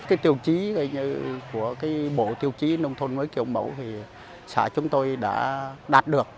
cái tiêu chí của cái bộ tiêu chí nông thôn mới kiểu mẫu thì xã chúng tôi đã đạt được